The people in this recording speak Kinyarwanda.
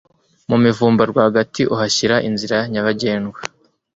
mu mivumba rwagati uhashyira inzira nyabagendwa